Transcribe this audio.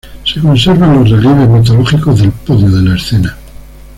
Se conservan los relieves mitológicos del podio de la escena.